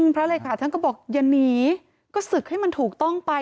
เลขาท่านก็บอกอย่าหนีก็ศึกให้มันถูกต้องไป